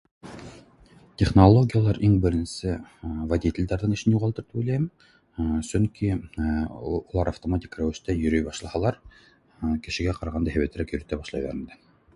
Технологиялар иң беренсе водителдәрҙең эшен юғалтыр тип уйлайым сөнки улар автоматик рәүештә йөрөй башлаһар кешегә ҡарағанда һәйбәтерәк йөрөтә башлайҙар инде